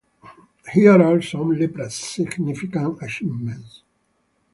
Here are some Lepra's significant achievements.